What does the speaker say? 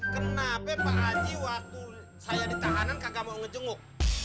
kenapa pak haji waktu saya di tahanan kagak mau ngejenguk